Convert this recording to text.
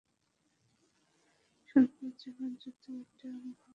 সুন্দর জীবন, যদি ও এটা অনুভব করতে পারে।